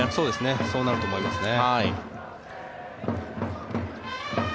そうなると思いますね。